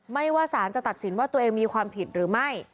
ว่าสารจะตัดสินว่าตัวเองมีความผิดหรือไม่